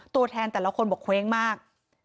ตัวแทนแต่ละคนบอกเคว้งมาก